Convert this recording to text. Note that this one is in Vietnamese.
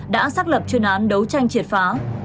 đã xác lập chuyên án đấu tranh triệt phá